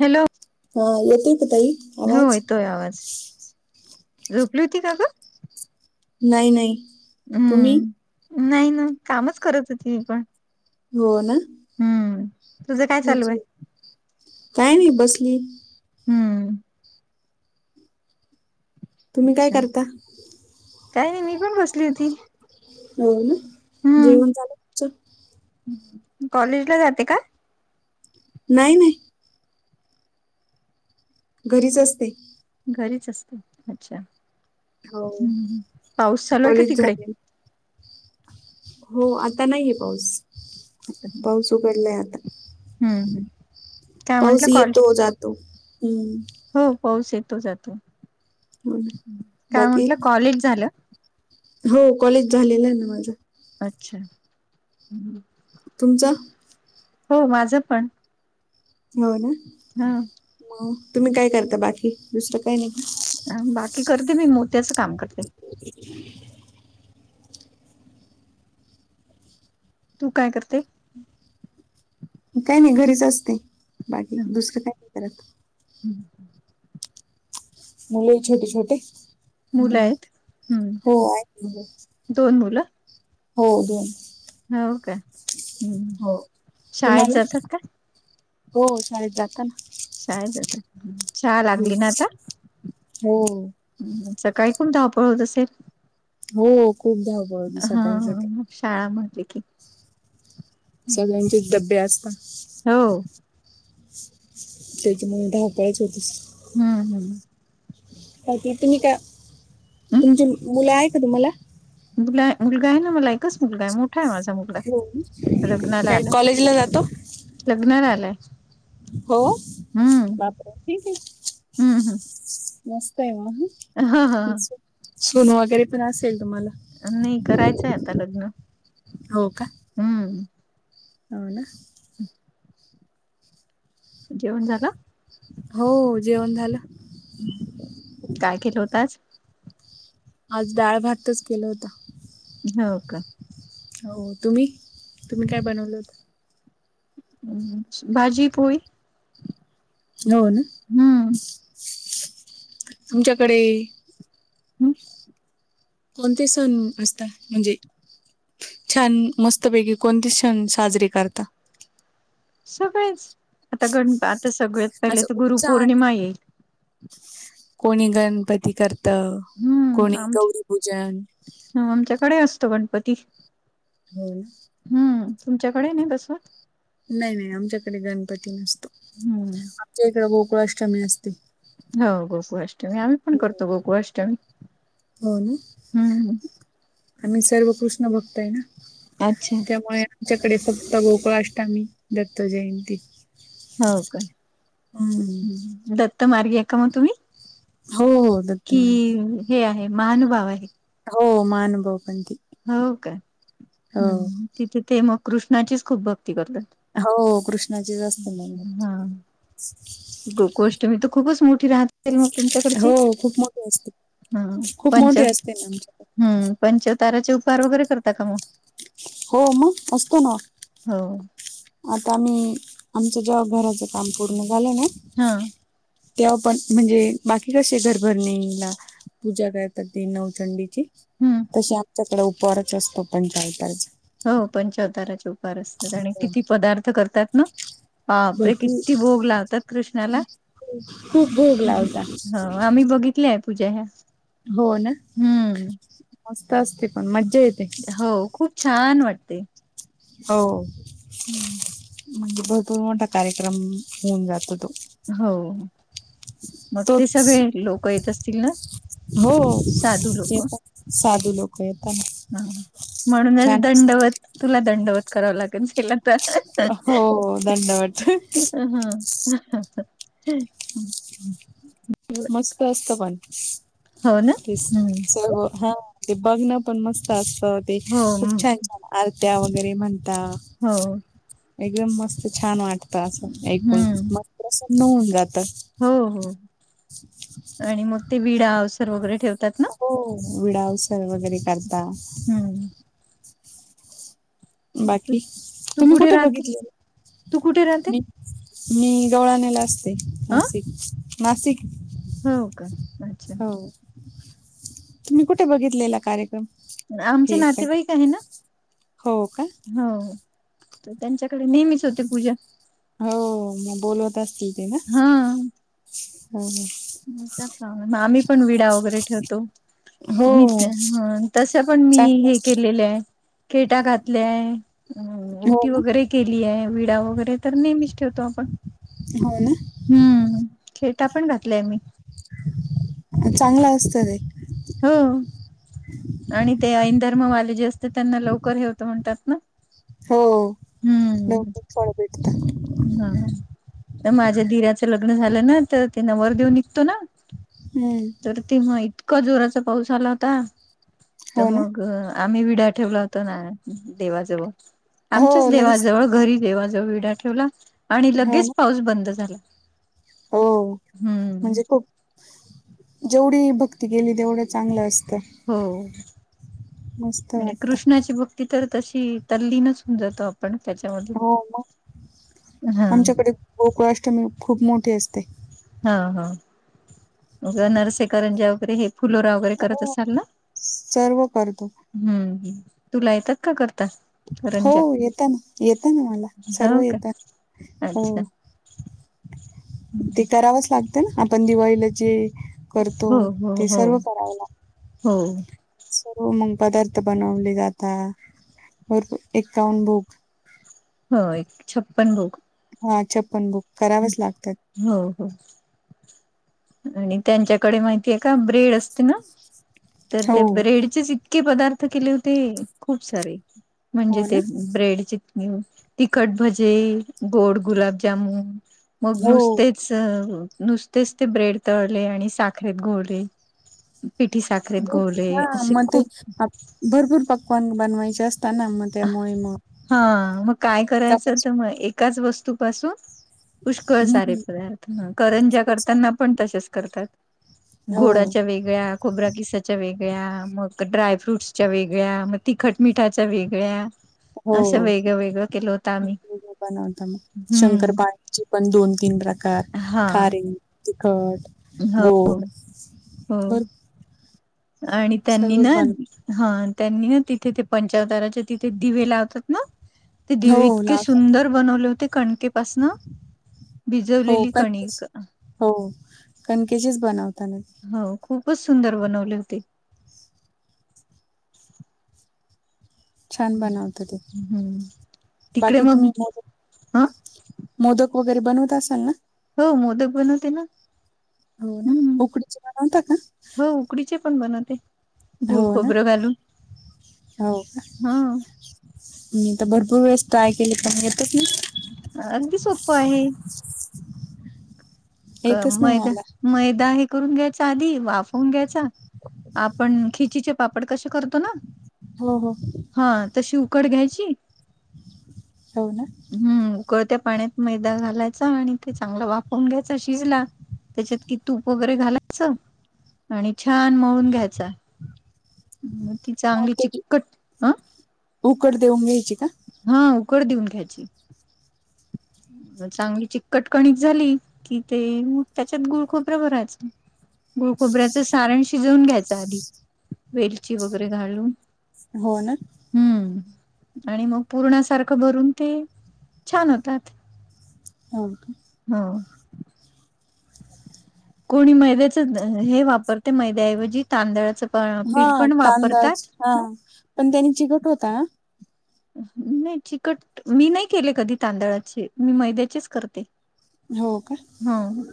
Hello हा य तोही पता हो येतोय आवाज झोपली होती का ग नाही नाही तुम्ही हम्म नाही ना कामच करत होती मी प हो ना हम्म तुझं काय चालू आहे अजून काय नाही बसली हम्म तुम्ही काय अच्छा करता काय नाही मी पण बसली होती. हो ना जेवण झालं तुमचं कॉलेज ला जाते का? नाही नाही घरीच असते घरीच असते. अच्छा! हो ह् पाऊस चालूय का कॉलेज तिकडे? झाले हो आता नाहीये पाऊस पाऊस उघडलाय आत हम्म ह पाऊस येतो जातो हम्म हो पाऊस येतो जातो हो ना काय बाकी म्हटलं कॉलेज झा हो कॉलेज झालेलं आहे ना माझं. अच्छा! तुमचं हो माझं पण हो ना हा म तुम्ही काय करता बाकी दुसरं काय नाही. बाकी करते मी मोत्याचं काम कर तू काय कर काही नाही घरीच असते बाकी दुसरं काय नाही करत हम मुले आहेत छोटे छोटे? मुलं आहेत हम्म हो आहेत मुलं दोन मुलं हो दोन हो का हम्म. हो, शाळेत तुम्हाला? जातात का हो शाळेत जात शाळेत जातात शाळा हम्म. लागली ना आता हो सकाळी पण धावपळ होत असेल, हो खूप ग हा हा शाळा म [unintelligible] सगळ्यांचेच डब्बे आज हो त्याच्यामुळे, धावपळच होत असेल. हम्म हम् हम. बाकी तुम्ही का, तुमचे मुलं आहे का तुम्हाला. मु मुलगा आहे ना मला, एकच मुलगाय, मोठाय माझा मुलगा. हो, काय कॉलेजला जातो? लग्न झालाय. हो, बापरे! ठीके, हम्म हम् मस्तय म. ह ह [unintelligible] सुनं वगैरे पण असेल तुम्हाला? नाही करायचंय आता लग्न, हो का हम्म. हो ना. हम् [inaudible] जेवण झालं. हो जेवण झालं. काय केलं होत आज. आज डाळ भातच केलं होत. हो का? हो, तुम्ही, तुम्ही काय बनवलं होत? भाजी पोळी. हो ना. हम्म. तुमच्याकडे कोणते सण असता, म्हणजे, छान, मस्तपैकी, कोणते सण साजरी करता. सगळेच, आता गण, आता सगळत पहिले असं तर उत्साह गुरुपौर्णिमा येईल. कोणी गणपती करत, कोणी गौरी पूजन. ह, आमच्याकडे असतो गणपती. हम्म. हम्म, तुमच्याकडे नाही तसं. नाही नाही आमच्याकडे गणपती नसतो, हम्म आमच्या इकडे गोकुळा अष्टमी असते. हो गोकु अष्टमी, आम्ही पण करतो, गोकुळ अष्टमी, हो ना हम्म. आम्ही सर्व कृष्ण भक्तय ना, अच्छा त्यामुळे आच्याकडे फक्त, गोकुळा अष्टामी दत्त जयंती. हो का? हम्म. दत्त मार्गीये का म तुम्ही? हो, दत्त कि मानते हे आहे, महानुभाव आहे. हो, माहानुभव पंथी. हो का? तिथे ते मग कृष्णाचीच खूप भक्ती करतात. हो कृष्णाची जास्त म्हणनच हा गोकुळाष्टमी तर, खूपच मोठी राहत ते म हो तुमच्याकडची, खूप मोठी असते हम खूप पंच मोठी असते ना आमच्याकडे हम्म, पंचताराचे उपहार वगैरे करता का म? हो म, असतो ना. हो. आता आम्ही, आमच जेव्हा घराच काम पूर्ण झालं ना, ह. तेव्हा पण, म्हणजे बाकी कसे घरभरणीला पूजा करतात ती नवचंडीची, हम्म तशी आमच्याकडे उपहारच असतो पंचवताराचा. हो पंचवताराचे उपार असतात, आणि किती पदार्थ करतात ना. बापरे, भरपूर किती भोग लावतात कृष्णाला. खूप भोग लावता हो, आम्ही बघितलेय पूजा ह्या. हो ना हम्म मस्त असते पण मज्जा येते हो खूप छान वाटते हो हम्म. म्हणजे भरपूर मोठा कार्यक्रम होऊन जातो तो हो मग ते तोच सगळे लोक येत असतील ना साधू लोक साधु लोक वेत ह म्हणूनच दंडवत तुला दंडवत करावं लागेलला हो दंडवत हा मस्त असत पण हो ना ते हम्म स हा ते बघणं पण मस्त असत ते हो खूप हम्म. छान छान आर्त्या वगैरे म्हणता हो एकदम मस्त छान वाटत असं ऐकून हम्म मस्स नऊन जात. हो हो [inaudible] आणि मग ते विडा अवसर वगैरे ठेवतात ना हो विडावसर वगैरे करता. हम्म. तू बाकी तू तुम्ही कुठे राहते? बघितले. तू कुठे राहते? मी दोळानेला असते अ नाशिक नाशिक- हो का अच्छा. हो तुम्ही कुठे बघितलेला कार्यक्रम- आमचे नातेवाईक आहे ना. हो का हो तर त्यांच्याकडे नेहमीच होते पूजा हो मग बोलवत असतील ते ना हो ग आम्ही पण विडा वगैरे ठेवतो हो. मी हो. तश पण मी चांगलं हे असत केलेले आहे खेटा घातल्याय अ उटी हो वगैरे केली आहे विडा वगैरे तर नेहमीच ठेवतो आपण हो ना हम्म खेटा पण घातलाय मी चांगलं असत र हम आणि ते ऐंदर्मवाले जे असते त्यांना लवकर हे होतं म्हणतात ना हो हम्म नक फळ भेटत हा माझ्या धऱ्याचं लग्न झालं ना तर त्यांना वर देेऊन निघतो ना हम्म तर ते मग इतका जोराचा पाऊस आला होता तर हो ना मग आम्ही विडा ठेवला होता ना देवाजवळ हो आमच्याच लगेच देवाजवळ घरी देवाजवळ विडा ठेवला आणि हो लगेच ना पाऊस बंद झाला हो हम्म म्हणजे खूप जेवढी भक्ती केली तेवढं चांगलं असते हो मस्त आणि वाटत कृष्णाची बक् तिथ तशी तल्ली नसून जातो आपण त्याच्यामध्ये हो हम गोकळा अष्टमी खूप मोठी असते हा हा म नरसेकरंजी वगैरे हे फुलोराव वगैरे करत हो असाल ना सर्व करतो हम् तूला येतात का करता हो रंजा येत ना येत ना मला सर्व हो का येत हो अच्छा ते हो करावंच लागत ना आपण दिवाळीला जे करतो हो ते हो सर्व कराव लाग हो स मग पदार्थ बनवले जातात व एककाउन बूक हो एक छप्पन बोक हा प्पन बुक करावच लागतात हो हो आणि त्यांच्याकडे माहितीय का ब्रेड असते ना तर हो ते ब्रेडचेच इतके पदार्थ केले होते खूप सारे म्हणजे हो ना ते ब्रेड च तिखट भजे गोड गुलाबजामन मग हो नुसतेच नुसतेच ते ब्रेड तळले आणि साखरेत घोळले. पिठी साखरेत भर घोळले हा असे मग ते खूप आप- भरपूर पकवान बनवायचे असता ना मग त्यामुळे मग हा मग काय करायचं तर त्यापासून मग एकाच वस्तू पासून पुष्कळ सारे हम्म पदार्थ करंज्या करताना पण तसंच करतात हो गोडाच्या वेग गळ्या खोबऱ्या किसाच्या वेगळ्या मग ड्राय फ्रूट्सच्या वेगळ्या मग तिखट मिठाच्या वेग ळ्या हो असं वेगळं वेगळं केल होतं आम्ही बनवता मग हम्म. शंकरपाळ्याचे पण दोन तीन प्रकार खारे तिखट हो हो गोड हो भर आणि त्यांनी सर्वच ना बन हा त्यांनी ना तिथे ते पंचावताराचे तिथे दिवे लावतात ना ते हो दिवे इतके लावतात. सुंदर बनवले होते कणके पासन हो भिजवलेली कणकेची कणीक हो कणकेचेच बनवताना. हो खूपच सुंदर बनवले होते. छान बनवत ते हम्म तिकडे बाकी मग तुम्ही मोदक ह मोदक वगैरे बनवत असाल ना. हो मोदक बनवते ना. हो ना हम्म उकडीच्या बनवता का. हो उकडीचे पण बनवते गुळ हो ना. खोबरं घालून हो का? ह. मी तर भरपूर वेळेस ट्राय केले पण येतच नाही. अगदी सोप्पं आहे. क येतच नाही मैदा मला. मैदा हे करून घ्यायचा आधी वाफवून घ्यायचा आपण खिचीचे पापड कसे करतो ना हो हो. हा तशी उकड घ्यायची हो ना. हम्म उकळत्या पाण्यात मैदा घालायचा आणि ते चांगलं वाफवून घ्यायच शिजला त्याच्यात की तूप वगैरे घालायचं आणि छान मळून घ्यायचा ती मग चांगली त्याची चिकट अ उकड देऊन घ्यायची का. हा उकड देऊन घ्यायची. म चांगली चिकट कणीक झाली कि ते मग त्याच्यात गुळ खोबरं भरायचं. गुळ खोबऱ्याचं सारण शिजवून घ्यायच आधी वेलची वगैरे घालून. हो ना. हम्म आणि मग पूर्णासारखं भरून ते छान होतात. हो का. हा. कोणी मैद्याचं हे वापरते मैद्याऐवजी तांदळाचं प पीठ पण वापरतात. हा पण त्यांनी चिखट होता ना. नाही चिकट मी नाही केले कधी तांदळाचे मी मैद्याचेच करते.. हो का.. हा..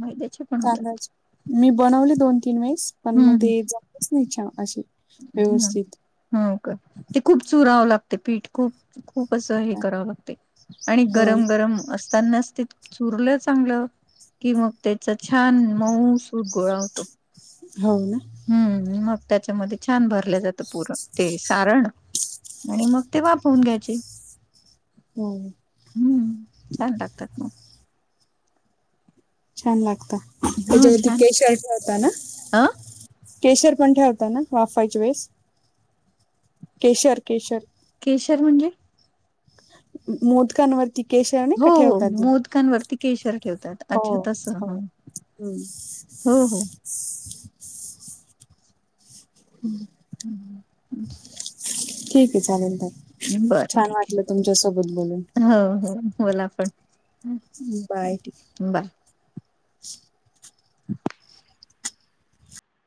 मैद्याचे. पण होतात तांदळाचे मी बनवले दोन तीन वेळेस पण मग ते जमलंच नाही छा अशे. हम्.. हो का ते खूप चुरावं लागते पीठ खूप खूप असं हे करावं लागते.. आणि हो ना, गरम गरम असतानाच ते चुरलं चांगलं. कि मग त्याचा छान मऊ सुत गोळा होतो.. हो ना.. हम्म मग त्याच्यामध्ये छान भरलं जातं पुरण ते सारण. आणि मग ते वापरून घ्यायचे. होम. हम्म छान लागतात मग. छान लागता मग हो त्याच्यावरती छान केशचा होता ना. अ केशर पण ठेवता ना वाफवायची वेळेस. केशर केशर. केशर म्हणजे. मोत करवररती. िकेश. हो हो मोदकांवरती केशर ठेवतात. हो अच्छा तस हो ह हम्म. हो हो. हम्म. हम् ह्म्. ठीक आहे चालेल तर. बर ठीक बोलून आहे ह ह बोला. बाय [unintelligible] दक्.